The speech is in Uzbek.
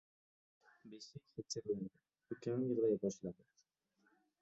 Beshik g‘ichirlaydi. Ukam yig‘lay boshlaydi.